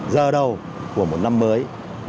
giờ đầu của một năm mới